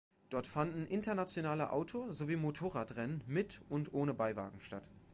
Dort fanden internationale Auto- sowie Motorradrennen mit und ohne Beiwagen statt.